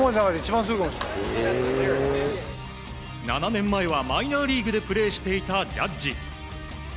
７年前はマイナーリーグでプレーしていたジャッジ。